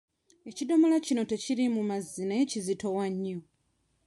Ekidomola kino tekiriimu mazzi naye kizitowa nnyo.